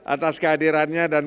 atas kehadirannya dan